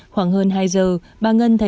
khoảng hơn hai giờ bà ngân thấy